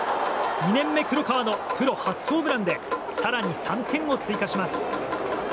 ２年目黒川のプロ初ホームランで更に３点を追加します。